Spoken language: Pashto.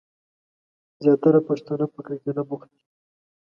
زياتره پښتنه په کرکيله بوخت دي.